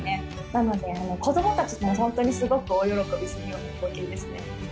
なので、子どもたちも本当にすごく大喜びするような光景ですね。